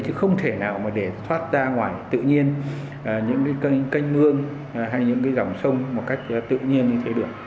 chứ không thể nào mà để thoát ra ngoài tự nhiên những cây cây mương hay những dòng sông một cách tự nhiên như thế được